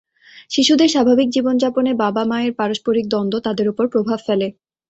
শিশুদের স্বাভাবিক জীবনযাপনে বাবা মায়ের পারস্পরিক দ্বন্দ্ব তাদের ওপর প্রভাব ফেলে।